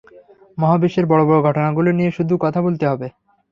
মহাবিশ্বের বড় বড় ঘটনাগুলো নিয়ে শুধু কথা বলতে হবে।